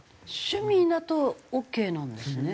趣味だとオーケーなんですね。